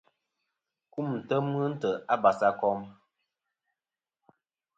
Kumtem ghɨ ntè' a basakom.